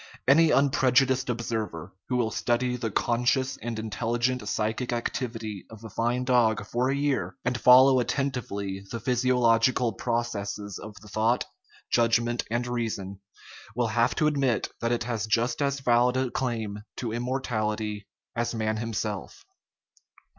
Any unprejudiced observer, who will study the conscious and intelligent psychic activity of a fine dog for a year, and follow attentively the physiological processes of its thought, judgment, and reason, will have to admit that it has just as valid a claim to im mortality as man himself.